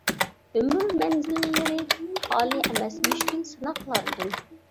ئۆمۈر مەنزىللىرى خالى، ئەمەس مۈشكۈل سىناقلاردىن.